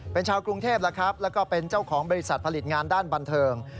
เป็นชาวกรุงเทพแล้วครับแล้วก็เป็นเจ้าของบริษัทผลิตงานด้านบันเทิง